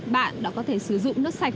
bạn đã có thể sử dụng nước sạch